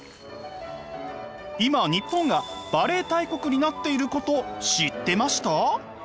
今日本がバレエ大国になっていること知ってました？